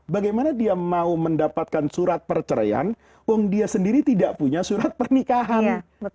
bagaimana dia mau mendapatkan surat perceraian uang dia sendiri tidak punya surat pernikahan